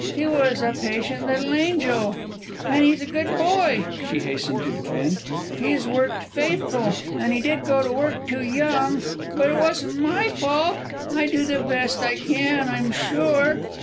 He was a patient little angel. "An' he is a good boy," she hastened to defend. "He's worked faithful, an' he did go to work too young. But it wasn't my fault. I do the best I can, I'm sure."